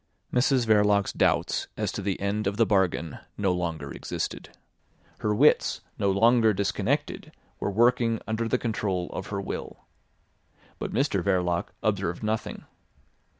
Mrs Verloc's doubts as to the end of the bargain no longer existed; her wits, no longer disconnected, were working under the control of her will. But Mr Verloc observed nothing.